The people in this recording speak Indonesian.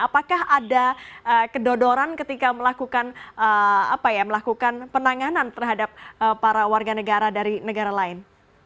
apakah ada kedodoran ketika melakukan penanganan terhadap para warga negara dari negara lain